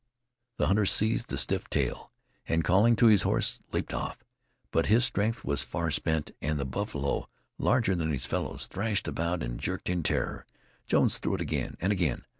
The hunter seized the stiff tail, and calling to his horse, leaped off. But his strength was far spent and the buffalo, larger than his fellows, threshed about and jerked in terror. Jones threw it again and again.